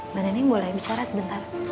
mbak neneng boleh bicara sebentar